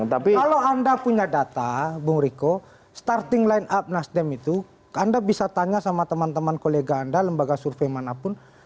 kalau anda punya data bung riko starting line up nasdem itu anda bisa tanya sama teman teman kolega anda lembaga survei manapun